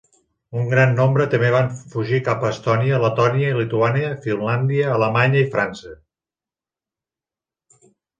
Un gran nombre també van fugir cap a Estònia, Letònia, Lituània, Finlàndia, Alemanya i França.